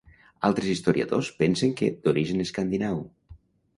Altres historiadors pensen que d'origen escandinau.